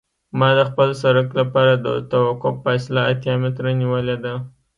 ما د خپل سرک لپاره د توقف فاصله اتیا متره نیولې ده